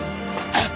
あっ！